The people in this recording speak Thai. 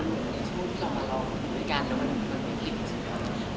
สมมุติที่เรามารอบด้วยกันแล้วมันมีความคิดไอเดียต่าง